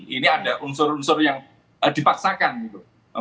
ini ada unsur unsur yang dipaksakan gitu